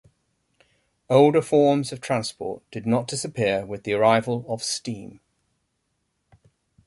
Older forms of transport did not disappear with the arrival of steam.